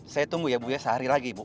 saya tunggu ya bu ya sehari lagi bu